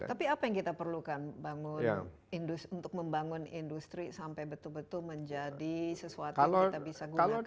tapi apa yang kita perlukan untuk membangun industri sampai betul betul menjadi sesuatu yang kita bisa gunakan